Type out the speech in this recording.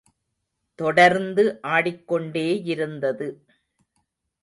தொடர்ந்து ஆடிக்கொண்டே யிருந்தது.